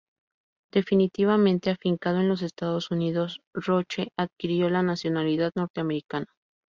Definitivamente afincado en los Estados Unidos, Roche adquirió la nacionalidad norteamericana.